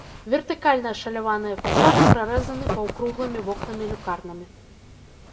Вертыкальна ашаляваныя фасады прарэзаны паўкруглымі вокнамі-люкарнамі.